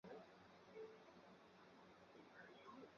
挥发度高的组分被分离开并形成塔顶产品。